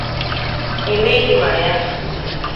e meghị ma ya